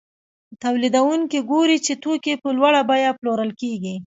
تولیدونکي ګوري چې توکي په لوړه بیه پلورل کېږي